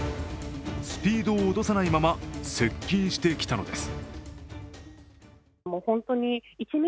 スピードを落とさないまま接近してきたのです。